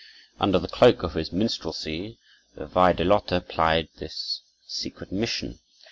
Under the cloak of his minstrelsy, the Wajdelote plied this secret mission.